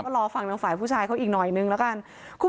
ก็รอฟังทางฝ่ายผู้ชายเขาอีกหน่อยนึงแล้วกัน